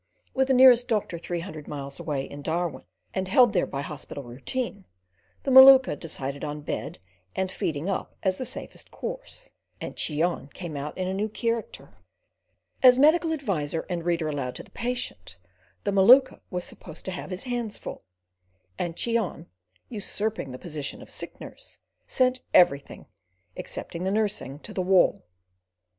With the nearest doctor three hundred miles away in Darwin, and held there by hospital routine, the Maluka decided on bed and feeding up as the safest course, and Cheon came out in a new character. As medical adviser and reader aloud to the patient, the Maluka was supposed to have his hands full, and Cheon, usurping the position of sick nurse, sent everything, excepting the nursing, to the wall.